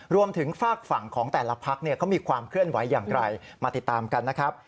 ฝากฝั่งของแต่ละพักเขามีความเคลื่อนไหวอย่างไรมาติดตามกันนะครับ